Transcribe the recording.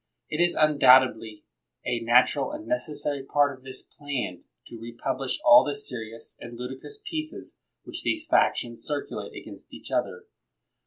It is undoubtedly a natural and necessary part of this plan to re publish all the serious and ludicrous pieces which these factions circulate against each other.